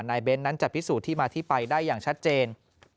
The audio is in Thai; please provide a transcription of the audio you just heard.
เบ้นนั้นจะพิสูจน์ที่มาที่ไปได้อย่างชัดเจน